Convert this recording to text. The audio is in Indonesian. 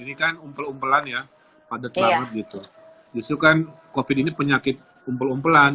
ini kan umpel umpelan ya padat banget gitu justru kan covid ini penyakit kumpul umpelan